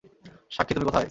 সাক্ষী, তুমি কোথায়?